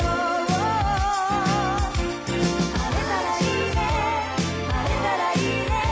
「晴れたらいいね晴れたらいいね」